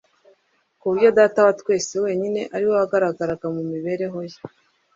ku buryo Data wa twese wenyine ariwe wagaragaraga mu mibereho ye.